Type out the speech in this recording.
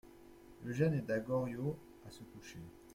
Eugène aida Goriot à se coucher.